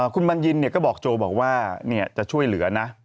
คุณบัญญินเนี่ยก็บอกโจ้ว่าเนี่ยจะช่วยเหลือนะ